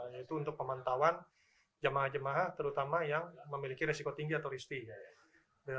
yaitu untuk pemantauan jemaah jemaah terutama yang memiliki resiko tinggi atau ristie